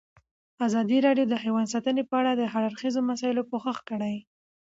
ازادي راډیو د حیوان ساتنه په اړه د هر اړخیزو مسایلو پوښښ کړی.